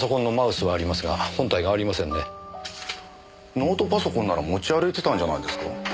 ノートパソコンなら持ち歩いてたんじゃないですか？